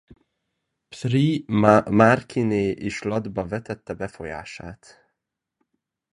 Prie márkiné is latba vetette befolyását.